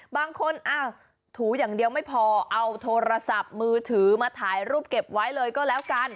บางคนอ้าวถูอย่างเดียวไม่พอเอาโทรศัพท์มือถือมาถ่ายรูปเก็บไว้เลยก็แล้วกัน